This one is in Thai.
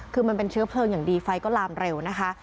คือมันเป็นเชื้อเพลิงอย่างดีไฟก็ลามเร็วนะคะ